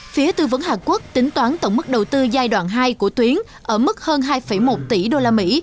phía tư vấn hàn quốc tính toán tổng mức đầu tư giai đoạn hai của tuyến ở mức hơn hai một tỷ usd